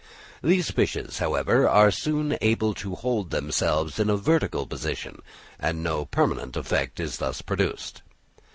These fishes, however, are soon able to hold themselves in a vertical position, and no permanent effect is thus produced.